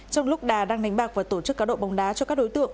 trong lúc đà đang đánh bạc và tổ chức cá độ bóng đá cho các đối tượng